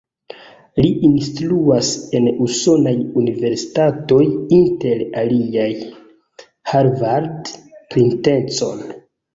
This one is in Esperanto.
Li instruas en usonaj universitatoj, inter aliaj Harvard, Princeton.